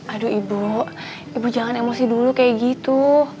aduh ibu ibu jangan emosi dulu kayak gitu